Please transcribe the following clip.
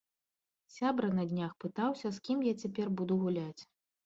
Сябра на днях пытаўся, з кім я цяпер буду гуляць.